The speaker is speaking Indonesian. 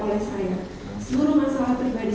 oleh saya seluruh masalah pribadi